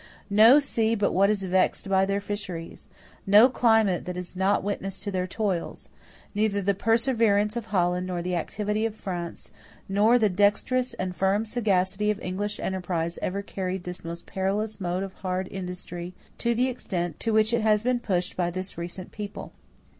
No sea but what is vexed by their fisheries. No climate that is not witness to their toils. Neither the perseverance of Holland nor the activity of France nor the dexterous and firm sagacity of English enterprise ever carried this most perilous mode of hard industry to the extent to which it has been pushed by this recent people."